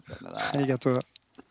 ありがとう。